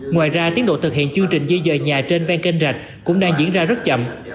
ngoài ra tiến độ thực hiện chương trình di dời nhà trên ven kênh rạch cũng đang diễn ra rất chậm